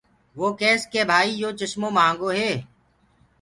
وو ڪيس ڪي ڀآئي يو چمو مهآنگو هي۔